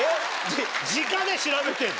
じかで調べてんの？